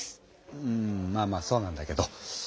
うんまあまあそうなんだけど。